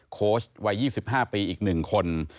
โค้ชวัย๒๕ปีอีก๑คน